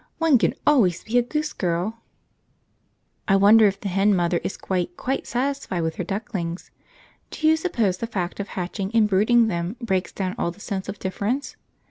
One can always be a Goose Girl! I wonder if the hen mother is quite, quite satisfied with her ducklings! Do you suppose the fact of hatching and brooding them breaks down all the sense of difference?